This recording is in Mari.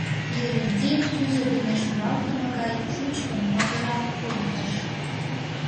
Еренте кӱзӧ дене шуралтыме гай шучкын магырал колтыш.